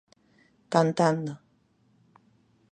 Cantando.